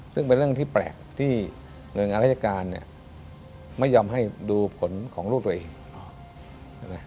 ซึ่งเป็นเรื่องที่แปลกที่โรงงานรัฐการณ์เนี่ยไม่ยอมให้ดูผลของลูกตัวเอง